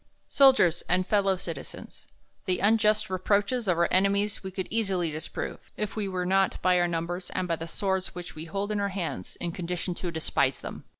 Soldiers and Fellow Citizens, THE unjust reproaches of our enemies we could easily disprove, if we were not, by our numbers, and by the swords which we hold in our hands, in con dition to despise them.